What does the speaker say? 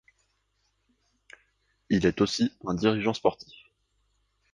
Il est aussi un dirigeant sportif.